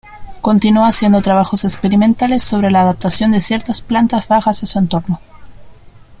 Continuó haciendo trabajos experimentales sobre la adaptación de ciertas plantas bajas a su entorno.